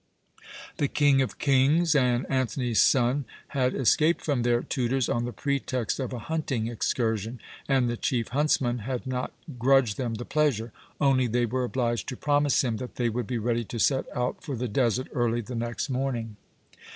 The "King of kings" and Antony's son had escaped from their tutors on the pretext of a hunting excursion, and the chief huntsman had not grudged them the pleasure only they were obliged to promise him that they would be ready to set out for the desert early the next morning.